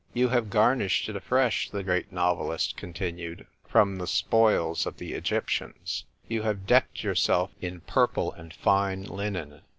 " You have garnished it afresh," the great novelist continued, "from the spoils of the Egyptians. You have decked yourself in purple and fine linen